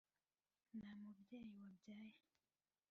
nta mubyeyi wabyaye